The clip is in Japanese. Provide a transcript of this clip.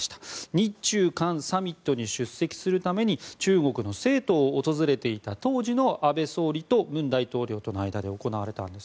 日中韓サミットに出席するために中国の成都を訪れていた当時の安倍総理と文大統領との間で行われました。